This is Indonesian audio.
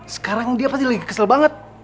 sekarang dia pasti lagi kesel banget